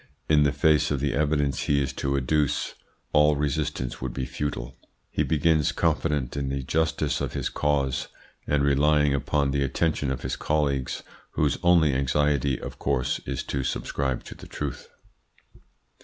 In the face of the evidence he is to adduce all resistance would be futile. He begins, confident in the justice of his cause, and relying upon the attention of his colleagues, whose only anxiety, of course, is to subscribe to the truth.